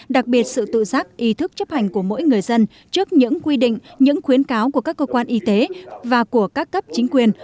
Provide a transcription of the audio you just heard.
đặc biệt sự tự giác ý thức chấp hành của mỗi người dân trước những quy định những khuyến cáo của các cơ quan y tế và của các cấp chính quyền